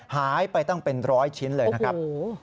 หายไปตั้งเป็นร้อยชิ้นเลยนะครับ